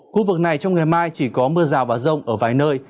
khu vực này trong ngày mai chỉ có mưa rào và rông ở vài nơi